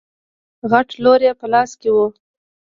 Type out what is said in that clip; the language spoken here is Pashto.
غټ لور يې په لاس کې و.